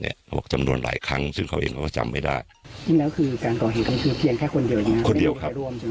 คนเดียวครับไม่มีใครร่วมใช่ไหม